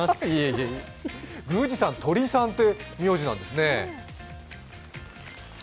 宮司さん、鳥居さんという名字なんですね。